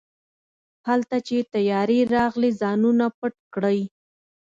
هلته چې طيارې راغلې ځانونه پټ کړئ.